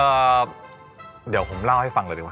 เอ่อเดี๋ยวผมเล่าให้ฟังเลยดูไว้